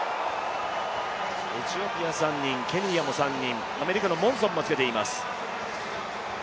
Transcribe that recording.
エチオピア３人、ケニアも３人、アメリカのモンソンもつけています。